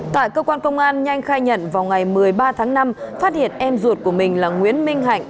tại cơ quan công an nhanh khai nhận vào ngày một mươi ba tháng năm phát hiện em ruột của mình là nguyễn minh hạnh